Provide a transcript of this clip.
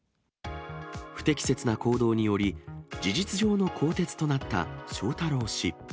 不適切な行動により、事実上の更迭となった翔太郎氏。